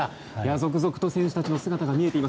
続々と選手たちの姿が見えています。